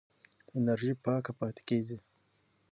انرژي پاکه پاتې کېږي.